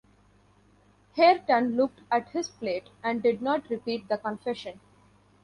Hareton looked at his plate, and did not repeat the confession.